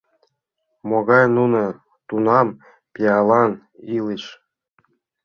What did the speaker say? Могай нуно тунам пиалан ыльыч!